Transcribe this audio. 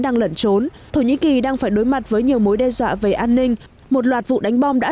đang lẩn trốn thổ nhĩ kỳ đang phải đối mặt với nhiều mối đe dọa về an ninh một loạt vụ đánh bom đã